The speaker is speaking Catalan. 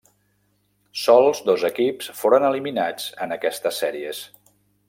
Sols dos equips foren eliminats en aquestes sèries.